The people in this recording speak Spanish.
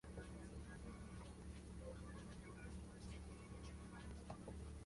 Desempeña un papel importante en el ciclo del carbono.